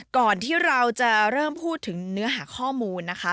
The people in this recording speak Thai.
ก่อนที่เราจะเริ่มพูดถึงเนื้อหาข้อมูลนะคะ